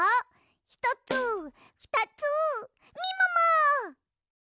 ひとつふたつみもも！